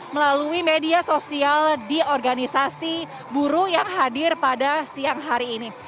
melalui media sosial di organisasi buruh yang hadir pada siang hari ini